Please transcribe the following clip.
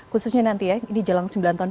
khususnya nanti ya ini jelang sembilan tahun